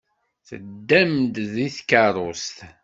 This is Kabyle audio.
Teddam-d deg tkeṛṛust?